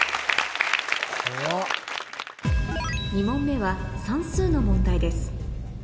２問目はの問題です